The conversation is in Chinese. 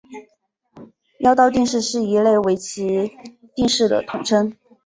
妖刀定式是一类围棋定式的统称。